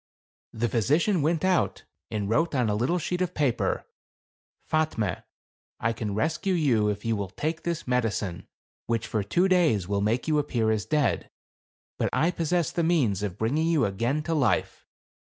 The physician went out and wrote on a little sheet of paper, " Fatme, I can rescue you if you will take this medicine, which for two days, will make you appear as dead ; but I possess the means of bringing you again to life.